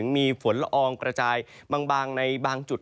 มองกระจายบางในบางจุด